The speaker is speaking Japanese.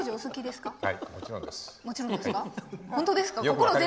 もちろんです。